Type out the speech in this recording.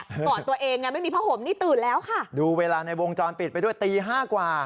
ก่อนตัวเองอ่ะไม่มีผ้าห่มนี่ตื่นแล้วค่ะดูเวลาในวงจรปิดไปด้วยตีห้ากว่า